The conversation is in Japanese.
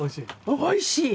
おいしい。